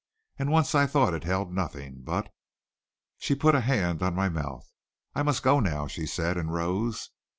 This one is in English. And once I thought it held nothing but " She put a hand on my mouth. "I must go now," she said and rose.